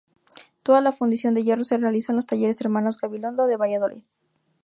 Toda la fundición de hierro se realizó en los talleres Hermanos Gabilondo de Valladolid.